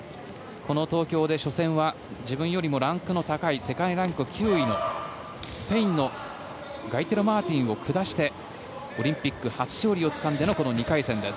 この東京で初戦は自分よりランクの高い世界ランク９位のスペインのマーティンを下してオリンピック初勝利をつかんでの２回戦です。